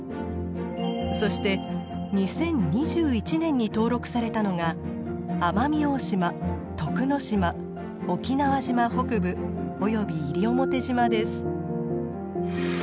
そして２０２１年に登録されたのが奄美大島、徳之島、沖縄島北部及び西表島です。